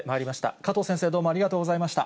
加藤先生、どうもありがとうございました。